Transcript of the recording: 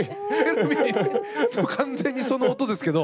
完全にその音ですけど。